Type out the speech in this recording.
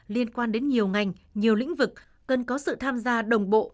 liên quan đến nhiều ngành nhiều lĩnh vực cần có sự tham gia đồng bộ